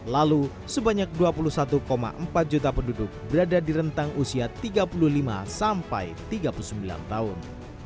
lalu sebanyak dua puluh satu empat juta penduduk berada di rentang usia tiga puluh lima sampai tiga puluh sembilan tahun